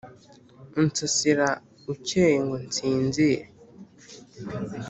unsasira ukeye ngo nsinzire.